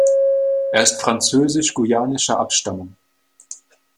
Er ist französisch-guyanischer Abstammung.